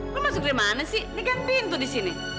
gue masuk dari mana sih ini kan pintu di sini